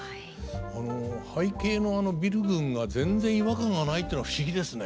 背景のあのビル群が全然違和感がないっていうのが不思議ですね。